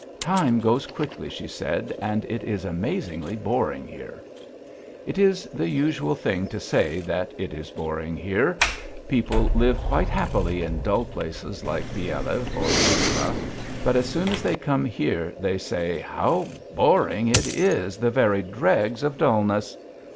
"Time goes quickly," she said, "and it is amazingly boring here." "It is the usual thing to say that it is boring here. People live quite happily in dull holes like Bieliev or Zhidra, but as soon as they come here they say: 'How boring it is! The very dregs of dullness!'